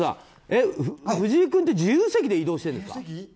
藤井君って自由席で移動してるんですか？